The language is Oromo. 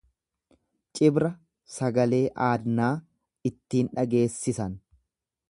Cibra sagalee aadnaa ittiin dhageessisan.